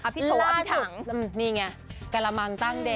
อภิโภอภิถังนี่ไงกะละมังตั้งเด่